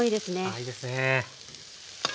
あいいですね。